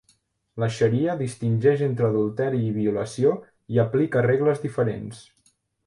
La xaria distingeix entre adulteri i violació i aplica regles diferents.